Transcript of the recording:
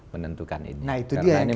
menentukan ini karena ini